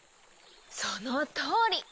そのとおり。